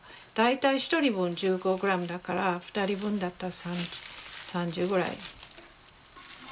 大体１人分１５グラムだから２人分だったら３０ぐらい。